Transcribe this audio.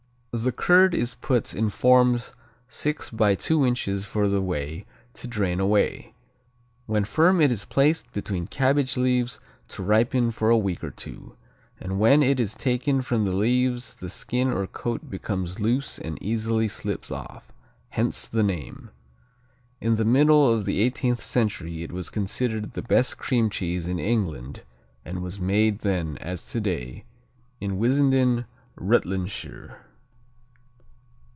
The curd is put in forms six by two inches for the whey to drain away. When firm it is placed between cabbage leaves to ripen for a week or two, and when it is taken from the leaves the skin or coat becomes loose and easily slips off hence the name. In the middle of the eighteenth century it was considered the best cream cheese in England and was made then, as today, in Wissenden, Rutlandshire.